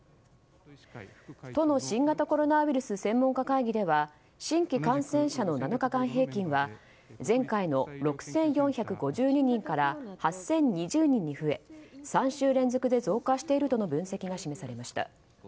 都の新型コロナウイルス専門家会議では新規感染者の７日間平均は前回の６４５２人から８０２０人に増え３週連続で増加しているとの分析が示されました。